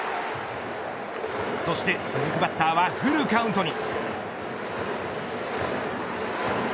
そして続くバッターはフルカウントに。